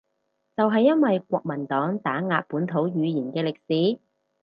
就係因為國民黨打壓本土語言嘅歷史